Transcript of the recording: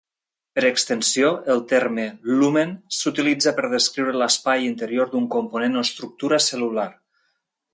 Per extensió, el terme lumen s'utilitza per descriure l'espai interior d'un component o estructura cel·lular.